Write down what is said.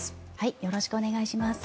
よろしくお願いします。